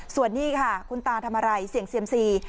ส่วนนี้ค่ะคุณตาทำอะไรเสี่ยงเซียมซี